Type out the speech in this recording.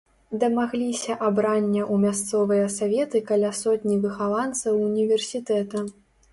Дамагліся абрання ў мясцовыя саветы каля сотні выхаванцаў універсітэта.